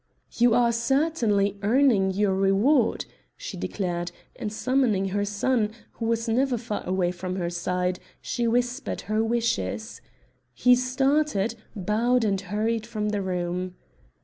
"You are certainly earning your reward," she declared; and summoning her son, who was never far away from her side, she whispered her wishes. He started, bowed and hurried from the room.